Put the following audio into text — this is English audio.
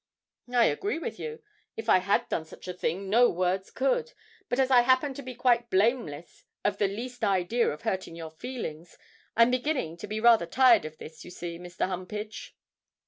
'I agree with you. If I had done such a thing no words could; but as I happen to be quite blameless of the least idea of hurting your feelings, I'm beginning to be rather tired of this, you see, Mr. Humpage.'